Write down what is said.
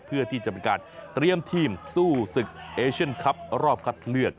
เพื่อที่จะเป็นการเตรียมทีมสู้ศึกเอเชียนคลับรอบคัดเลือก